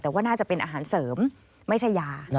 แต่ว่าน่าจะเป็นอาหารเสริมไม่ใช่ยา